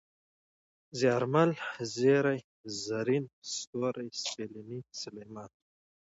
زيارمل ، زېرى ، زرين ، ستوری ، سپېلنی ، سلېمان